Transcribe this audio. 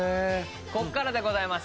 ここからでございます。